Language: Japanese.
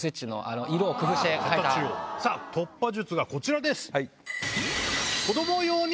突破術がこちらです。